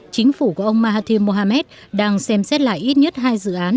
chính phủ của ông mahathir mohamed đang xem xét lại ít nhất hai dự án